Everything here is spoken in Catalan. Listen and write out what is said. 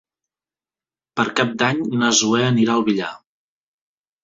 Per Cap d'Any na Zoè anirà al Villar.